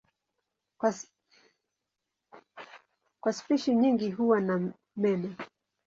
Kwa spishi nyingi huwa na meno.